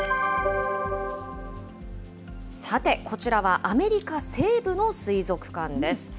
さて、こちらはアメリカ西部の水族館です。